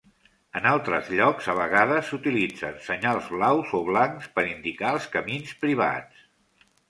En altres llocs, a vegades s'utilitzen senyals blaus o blancs per indicar els camins privats.